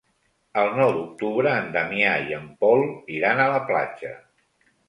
El nou d'octubre en Damià i en Pol iran a la platja.